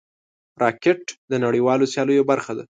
راکټ د نړیوالو سیالیو برخه ده